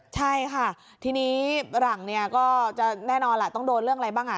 ใช่ค่ะทีนี้หลังก็แน่นอนต้องโดนเรื่องอะไรบ้าง